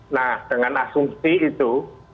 nah dengan asumsi itu